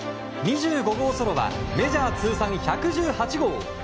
２５号ソロはメジャー通算１１８号。